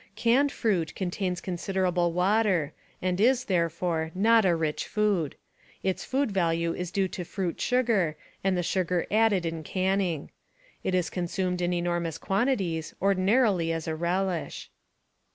Canned fruit contains considerable water and is, therefore, not a rich food. Its food value is due to fruit sugar and the sugar added in canning. It is consumed in enormous quantities, ordinarily as a relish.